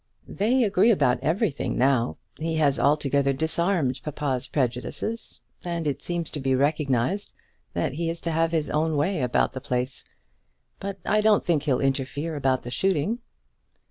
"They agree about everything now. He has altogether disarmed papa's prejudices, and it seems to be recognised that he is to have his own way about the place. But I don't think he'll interfere about the shooting."